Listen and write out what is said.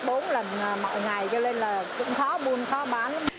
bốn lần mọi ngày cho nên là cũng khó buôn khó bán